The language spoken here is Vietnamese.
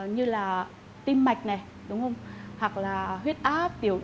như là tim mạch huyết áp